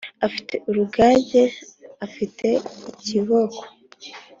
afite urugage afite ikiboko